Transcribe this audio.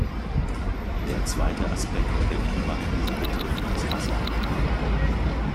Der zweite Aspekt der Klimakrise betrifft das Wasser.